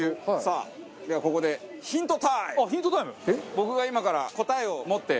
僕が今から。